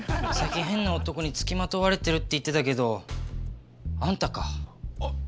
最近変な男につきまとわれてるって言ってたけどあんたか。